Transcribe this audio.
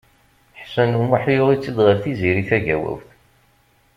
Ḥsen U Muḥ yuɣ-itt-id ɣer Tiziri Tagawawt.